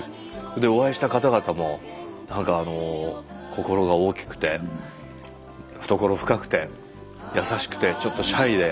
でお会いした方々もなんかあの心が大きくて懐深くて優しくてちょっとシャイで。